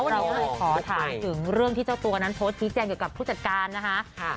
เราก็ขอถ่ายถึงหลวงที่เจ้าตัวโพสต์พรีชยังอยู่กับผู้จัดการนะคะ